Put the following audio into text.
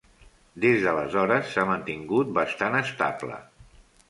Des d'aleshores s'ha mantingut bastant estable.